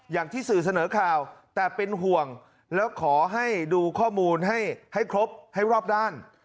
อย่างที่สื่อเสนอข่าวแต่เป็นห่วงแล้วขอให้ดูข้อมูลให้ครบให้รอบด้าน